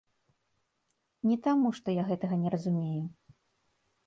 Не таму, што я гэтага не разумею.